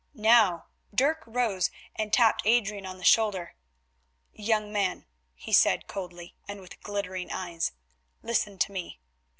Now Dirk rose and tapped Adrian on the shoulder. "Young man," he said coldly and with glittering eyes, "listen to me.